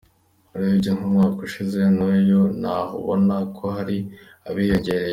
Urebye nk’umwaka ushize n’uyu naho ubona ko hari abiyongereye.